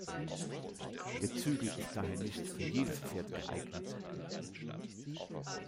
Der Zügel ist daher nicht für jedes Pferd geeignet.